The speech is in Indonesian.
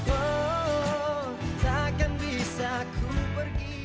oh takkan bisa ku pergi